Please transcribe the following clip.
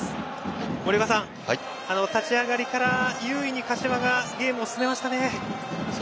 森岡さん、立ち上がりから優位に柏がゲームを進めましたね。